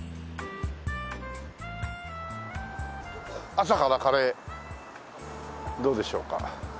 「朝からカレー」どうでしょうか。